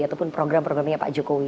ataupun program programnya pak jokowi